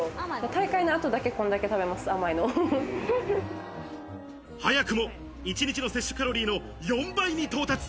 大会の後だけ、こんだけ食べます、甘いの。早くも１日の摂取カロリーの４倍に到達。